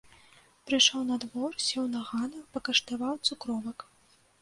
Прыйшоў на двор, сеў на ганак, пакаштаваў цукровак.